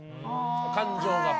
感情が。